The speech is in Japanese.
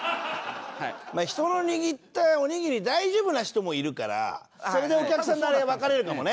人の握ったおにぎり大丈夫な人もいるからそれでお客さんのあれ分かれるかもね。